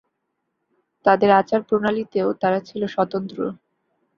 তাদের আচার-প্রণালীতেও তারা ছিল স্বতন্ত্র।